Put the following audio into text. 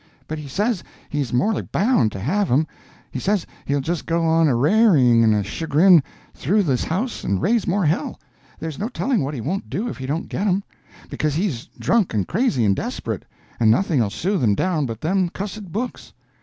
"But he says he's mor'ly bound to have 'em; he says he'll just go a rairin' and a chargin' through this house and raise more hell, there's no tellin' what he won't do if he don't get 'em; because he's drunk and crazy and desperate, and nothing'll soothe him down but them cussed books."